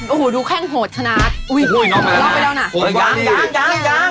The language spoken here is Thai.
โอ้โหดูแค่งหดขนาดลองไปเรื่องหน่ายัง